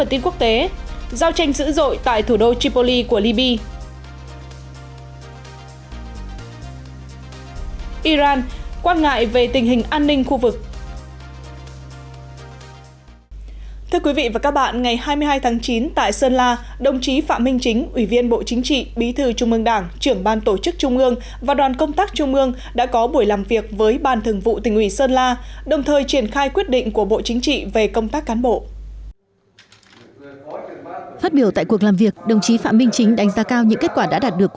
iran quan ngại về tình hình an ninh khu vực